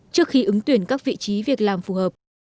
trước khi ứng tuyển các vị trí việc làm phù hợp